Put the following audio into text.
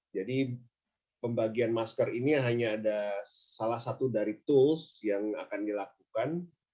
jadi pembagian masker ini hanya ada salah satu dari tools yang akan dilakukan